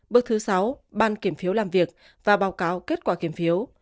bước thứ sáu ban kiểm phiếu làm việc và báo cáo kết quả kiểm phiếu